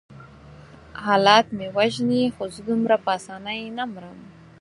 حالات مې وژني خو زه دومره په آسانۍ نه مرم.